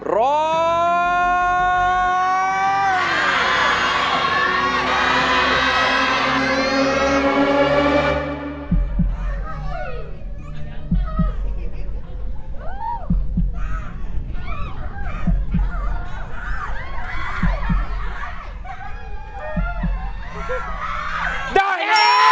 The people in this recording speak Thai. ร้อย